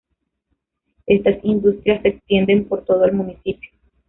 Estas industrias se extienden por todo el municipio.